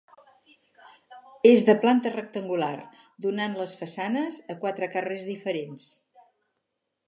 És de planta rectangular, donant les façanes a quatre carres diferents.